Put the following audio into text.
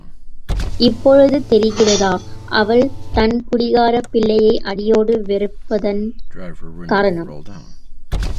இப்பொழுது தெரிகிறதா, அவள் தன் குடிகாரப் பிள்ளையை அடியோடு வெறுப்பதன் காரணம்?